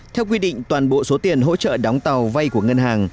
theo quy định toàn bộ số tiền hỗ trợ đóng tàu vay của ngân hàng